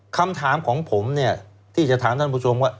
คำถามของผมเนี่ยที่จะถามท่านผู้ชมว่า